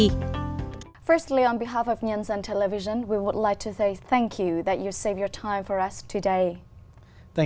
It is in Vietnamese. đầu tiên đối với nhân dân chúng tôi muốn nói cảm ơn các bạn đã giữ thời gian của các bạn